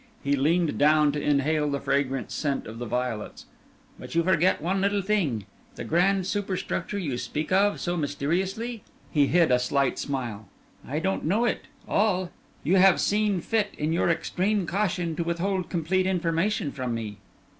He leaned down to inhale the fragrant scent of the violets. "But you forget one little thing. This grand superstructure you speak of so mysteriously" he hid a slight smile "I don't know it all. You have seen fit, in your extreme caution, to withhold complete information from me."